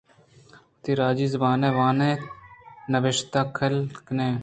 وتی راجی زُبان ءَ وان اَنت ءُ نبشتہ ھیل کن اَنت۔